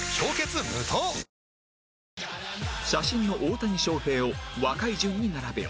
写真の大谷翔平を若い順に並べよ